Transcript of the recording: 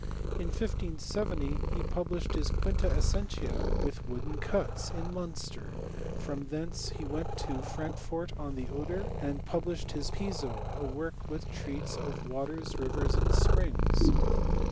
In 1570 he published his Quintq^ Essentia, with wooden cuts, in Munster ; from thenc^ he went to Frankfort on the Oder, and published his Piso, a work which treats of waters^ rivers^ and springs.